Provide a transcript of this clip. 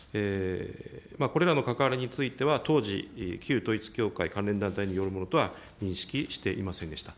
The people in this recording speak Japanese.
これらの関わりについては、当時、旧統一教会関連団体によるものとは認識していませんでした。